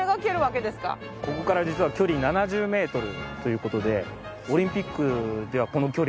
ここから実は距離７０メートルという事でオリンピックではこの距離で。